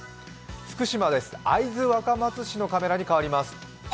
福島です、会津若松市のカメラに変わります。